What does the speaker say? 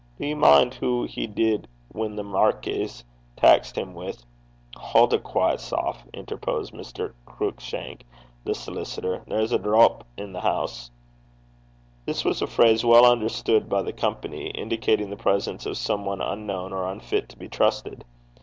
Do ye min' hoo he did whan the Markis taxed him wi' ?' 'Haud a quaiet sough,' interposed Mr. Cruickshank, the solicitor; 'there's a drap i' the hoose.' This was a phrase well understood by the company, indicating the presence of some one unknown, or unfit to be trusted.